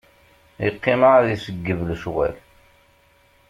Iqqim ɛad iseggeb lecɣal.